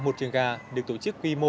một trường gà được tổ chức quy mô